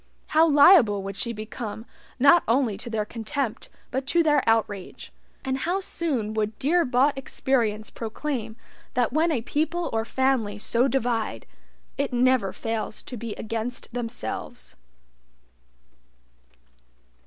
How liable would she become not only to their contempt but to their outrage, and how soon would dear bought experience proclaim that when a people or family so divide, it never fails to be against themselves.